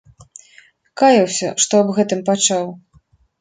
Каяўся, што аб гэтым пачаў.